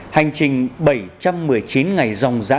hành trình bảy trăm một mươi chín ngày dòng giã